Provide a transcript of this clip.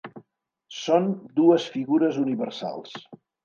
Són dues figures universals.